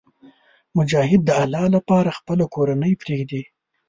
مجاهد د الله لپاره خپله کورنۍ پرېږدي.